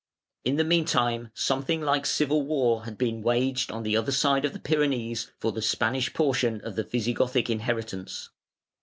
In the meantime something like civil war had been waged on the other side of the Pyrenees for the Spanish portion of the Visigothic inheritance.